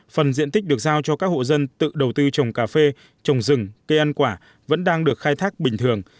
phần diện tích được giao cho các hộ dân tự đầu tư trồng cà phê trồng rừng cây ăn quả vẫn đang được khai thác bình thường